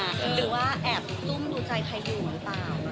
หรือว่าแอบซุ่มดูใจใครอยู่หรือเปล่า